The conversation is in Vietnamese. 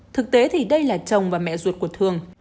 thực tế thì đây là chồng và mẹ ruột của thương